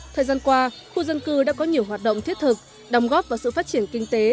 thời gian qua khu dân cư đã có nhiều hoạt động thiết thực đồng góp vào sự phát triển kinh tế